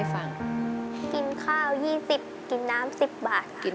ตอนวัน